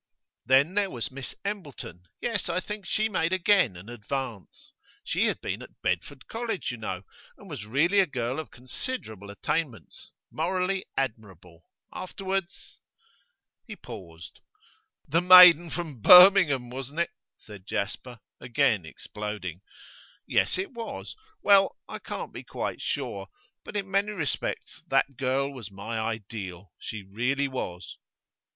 Then there was Miss Embleton; yes, I think she made again an advance. She had been at Bedford College, you know, and was really a girl of considerable attainments; morally, admirable. Afterwards ' He paused. 'The maiden from Birmingham, wasn't it?' said Jasper, again exploding. 'Yes, it was. Well, I can't be quite sure. But in many respects that girl was my ideal; she really was.